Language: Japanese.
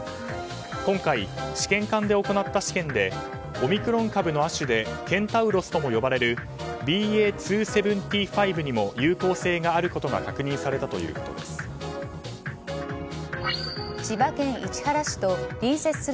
今回、試験管で行った試験でオミクロン株の亜種でケンタウロスとも呼ばれるＢＡ．２．７５にも有効性があることが確認されたということです。